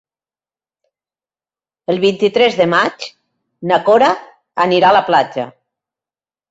El vint-i-tres de maig na Cora anirà a la platja.